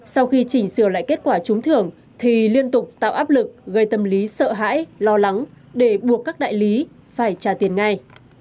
sau khi chỉnh sửa lại kết quả trúng thưởng thì liên tục tạo áp lực gây tâm lý sợ hãi lo lắng để buộc các đại lý phải trả tiền ngay